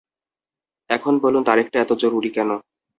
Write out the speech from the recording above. এখন বলুন তারিখটা এত জরুরি কেন?